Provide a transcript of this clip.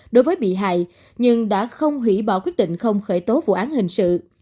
đối với bị hại nhưng đã không hủy bỏ quyết định không khởi tố vụ án hình sự